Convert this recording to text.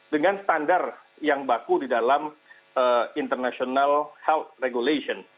dengan standar yang baku di dalam international health regulation